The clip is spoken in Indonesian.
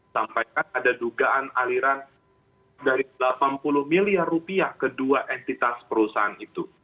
sampaikan ada dugaan aliran dari delapan puluh miliar rupiah ke dua entitas perusahaan itu